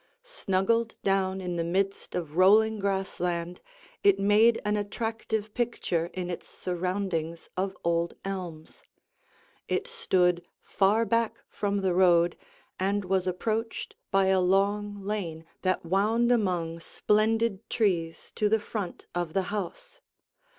Snuggled down in the midst of rolling grass land, it made an attractive picture in its surroundings of old elms. It stood far back from the road and was approached by a long lane that wound among splendid trees to the front of the house.